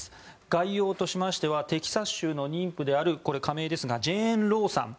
概要としてはテキサス州の妊婦である仮名ですがジェーン・ローさん